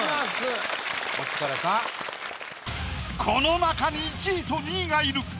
この中に１位と２位がいる。